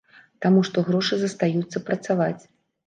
Таму што грошы застаюцца працаваць.